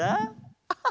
アハハ！